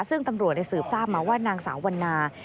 ซึ่งตำรวจสืบทราบมาว่านางสาววันนา